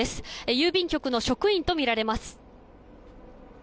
郵便局の職員とみられます。